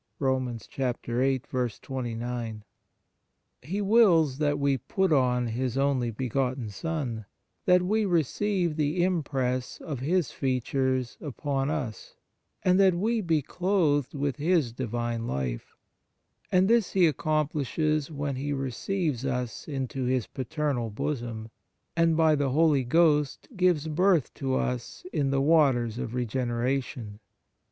1 He wills that we put on His only begotten Son, that we receive the impress of His features upon us, and that we be clothed with His Divine life; and this He accomplishes when He receives us into His paternal bosom, and by the Holy Ghost gives birth to us in the waters of regeneration.